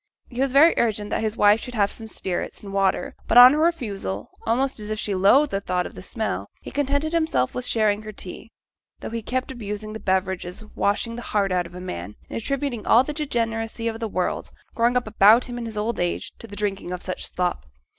He was very urgent that his wife should have some spirits and water; but on her refusal, almost as if she loathed the thought of the smell, he contented himself with sharing her tea, though he kept abusing the beverage as 'washing the heart out of a man,' and attributing all the degeneracy of the world, growing up about him in his old age, to the drinking of such slop.